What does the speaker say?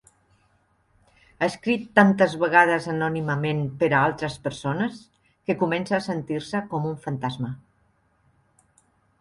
Ha escrit tantes vegades anònimament per a altres persones que comença a sentir-se com un fantasma.